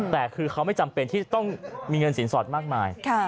แต่คือเขาไม่จำเป็นที่จะต้องมีเงินสินสอดมากมาย